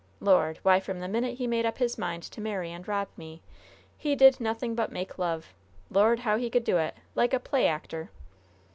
Lord! Why, from the minute he made up his mind to marry and rob me, he did nothing but make love! Lord, how he could do it! Like a play actor!